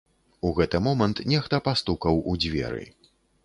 У гэты момант нехта пастукаў у дзверы.